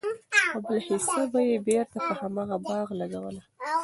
او بله حيصه به ئي بيرته په همدغه باغ لګوله!!